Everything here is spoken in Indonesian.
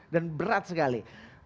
dan berat sekali